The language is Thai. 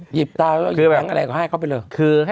หยิบตาหยิบแบงค์อะไรก็ให้เข้าไปเลย